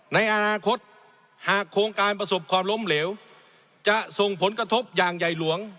ในอนาคตหากโครงการประสบความล้มเหลวจะส่งผลกระทบอย่างใหญ่หลวง